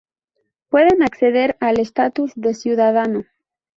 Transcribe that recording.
Pueden acceder al estatus de ciudadano.